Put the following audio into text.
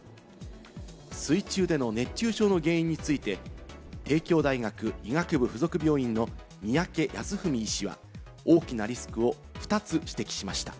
水中での熱中症の原因について、帝京大学医学部附属病院の三宅康史医師は大きなリスクを２つ指摘しました。